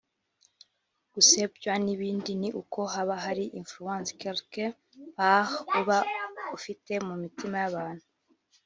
gusebywa n’ibindi ni uko haba hari influence quelque part uba ufite mu mitima y’abantu